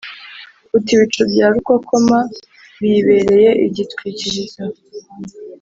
uti ‘ibicu bya rukokoma biyibereye igitwikirizo